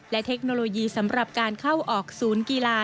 และเทคโนโลยีสำหรับการเข้าออกศูนย์กีฬา